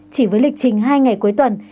chỉ với lịch trình hai ngày cuối tuần